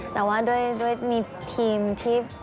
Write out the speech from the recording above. แต่ว่าด้วยมีทีมที่